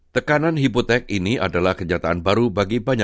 tekanan hipotek ini adalah kenyataan baru bagi banyak rumah tangga